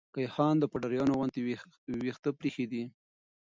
کيهان د پوډريانو غوندې ويښته پريخي وه.